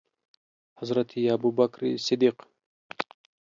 حضرت ابوبکر صدیق